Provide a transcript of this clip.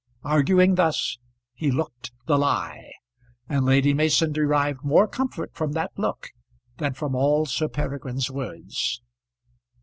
Arguing thus he looked the lie, and Lady Mason derived more comfort from that look than from all Sir Peregrine's words.